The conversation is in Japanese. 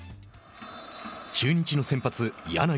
中日の先発柳。